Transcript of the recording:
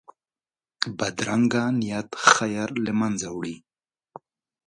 بدرنګه نیت خیر له منځه وړي